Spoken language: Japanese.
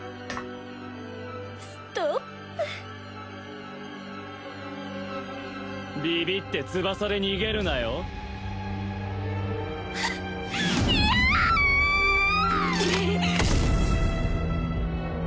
ストップビビって翼で逃げるなよいや！